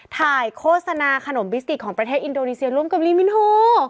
โฆษณาขนมบิสติกของประเทศอินโดนีเซียร่วมกับลีมินโฮ